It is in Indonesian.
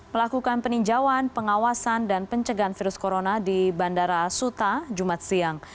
melakukan peninjauan pengawasan dan pencegahan virus corona di bandara suta jumat siang